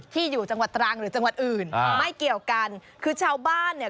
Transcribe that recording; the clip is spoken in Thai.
อยู่จังหวัดตรังหรือจังหวัดอื่นอ่าไม่เกี่ยวกันคือชาวบ้านเนี่ย